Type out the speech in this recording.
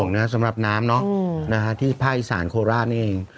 น่าเป็นห่วงน่ะสำหรับน้ำเนอะอืมนะฮะที่ภาคอีสานโคลาทนี่เอง